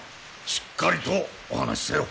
しっかりとお話しせよ。